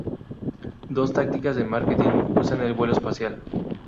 Dos tácticas de marketing usan el vuelo espacial.